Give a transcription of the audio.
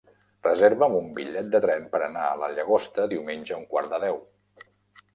Reserva'm un bitllet de tren per anar a la Llagosta diumenge a un quart de deu.